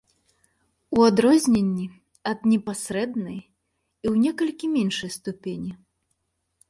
У адрозненні ад непасрэднай і, ў некалькі меншай ступені.